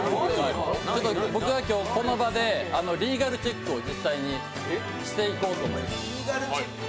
僕が今日、この場でリーガルチェックを実際にしていこうと思います。